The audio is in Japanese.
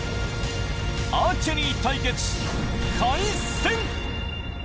アーチェリー対決、開戦。